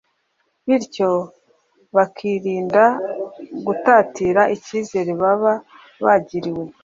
bityo bakirinda gutatira icyizere baba bagiriwe